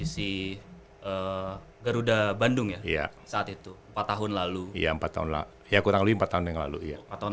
semua orang mempunyai kepentingan